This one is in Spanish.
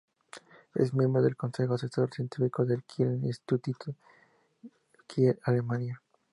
Es miembro del Consejo Asesor Científico del Kiel Institute, Kiel, Alemania.